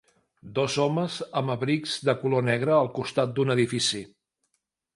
Dos homes amb abrics de color negre al costat d"un edifici.